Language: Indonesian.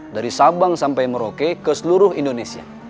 dari sabang sampai merauke ke seluruh indonesia